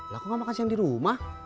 lah aku gak makan siang dirumah